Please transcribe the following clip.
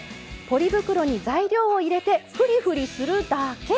ポリ袋に材料を入れてふりふりするだけ。